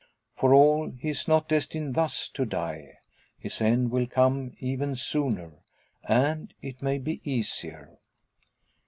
For all, he is not destined thus to die. His end will come even sooner, and it may be easier.